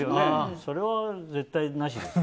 それは絶対なしです。